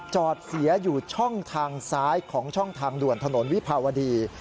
จอดเสียอยู่ช่องทางซ้ายของช่องทางด่วนถนนวิภาวดี